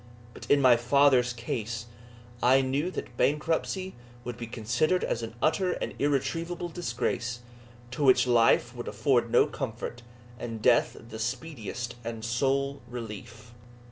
But in my father's case, I knew that bankruptcy would be considered as an utter and irretrievable disgrace, to which life would afford no comfort, and death the speediest and sole relief.